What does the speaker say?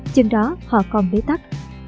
chừng đó họ còn bế tắc